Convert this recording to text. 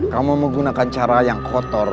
kamu menggunakan cara yang kotor